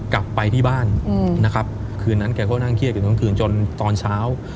กลับไปที่บ้านนะครับคืนนั้นแกก็นั่งเครียดกันทั้งคืนจนตอนเช้า